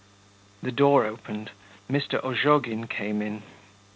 The door opened; Mr. Ozhogin came in.